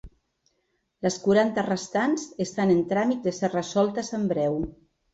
Les quaranta restants estan en tràmit de ser resoltes en breu.